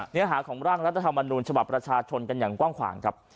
เนื้อหาของร่างรัฐธรรมนูญฉบับประชาชนกันอย่างกว้างขวางครับ